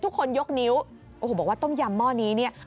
ยกนิ้วโอ้โหบอกว่าต้มยำหม้อนี้เนี่ย